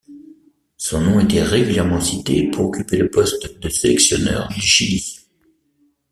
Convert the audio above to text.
Son nom était régulièrement cité pour occuper le poste de sélectionneur du Chili.